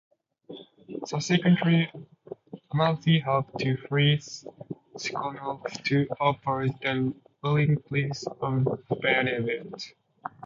Subsequently, Amalfi helped to free Siconulf to oppose the ruling Prince of Benevento.